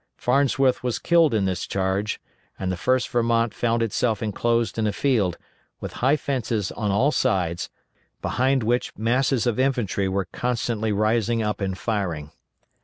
Farnsworth was killed in this charge, and the 1st Vermont found itself enclosed in a field, with high fences on all sides, behind which masses of infantry were constantly rising up and firing.